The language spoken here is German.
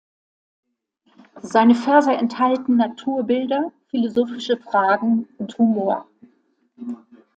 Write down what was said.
Seine Verse enthalten Naturbilder, philosophische Fragen und Humor.